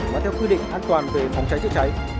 và theo quy định an toàn về phòng cháy chữa cháy